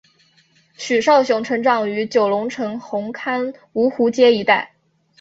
许绍雄成长于九龙城红磡芜湖街一带。